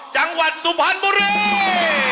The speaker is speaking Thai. จังหวัดสุภัณฑ์บุรี